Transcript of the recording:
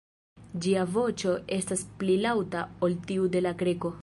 Ĝia voĉo estas pli laŭta ol tiu de la Kreko.